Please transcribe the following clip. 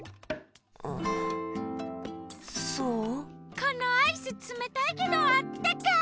このアイスつめたいけどあったかい！